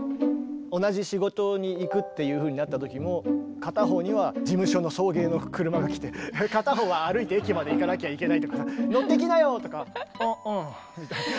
同じ仕事に行くっていうふうになった時も片方には事務所の送迎の車が来て片方は歩いて駅まで行かなきゃいけないとか「乗ってきなよ！」とか「あうん」みたい。